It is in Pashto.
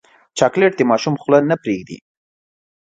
چاکلېټ د ماشوم خوله نه پرېږدي.